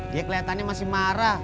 dia kelihatannya masih marah